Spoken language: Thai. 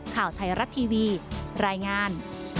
ข่าวไทยรัฐทีวีรายงาน